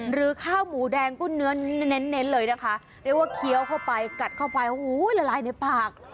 หรือข้าวหมูแดงกุ้นเนื้อนแน้นคือเขียวเข้าไปกัดเข้าไปหุ่ยรายในปาก